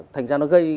thành ra nó gây